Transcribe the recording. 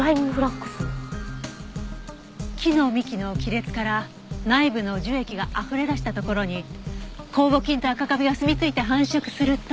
木の幹の亀裂から内部の樹液があふれ出したところに酵母菌とアカカビがすみついて繁殖すると。